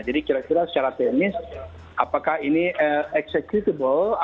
jadi kira kira secara teknis apakah ini executable